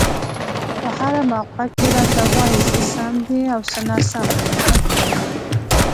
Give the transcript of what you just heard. په هره موقع کې راته وايي څه سم دي او څه ناسم.